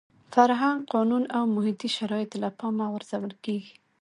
فرهنګ، قانون او محیطي شرایط له پامه غورځول کېږي.